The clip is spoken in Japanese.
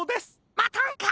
またんか！